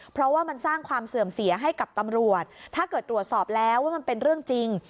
เพราะว่ามันสร้างความเสื่อมเสียให้กับตำรวจถ้าเกิดตรวจสอบแล้วว่ามันเป็นเรื่องจริง